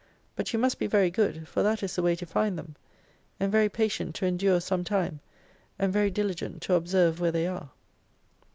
But you must be very good, for that is the way to find them. And very patient to endure some time, and very diligent to observe where they are.